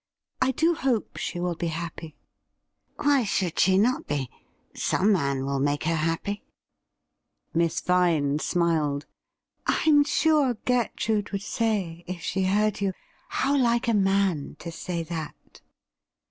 I do hope she will be happy.' ' Why should she not be ? Some man will make her happy.' Miss Vine smiled. ' I'm sure Gertrude would say, if she heard yoMf " How like a man to say that